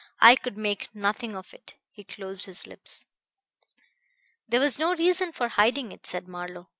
I could make nothing of it." He closed his lips. "There was no reason for hiding it," said Marlowe.